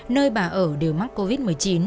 nơi bà ở đều mắc covid một mươi chín